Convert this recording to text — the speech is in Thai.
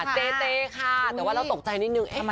แต่ว่าเราตรงใจนิดนึง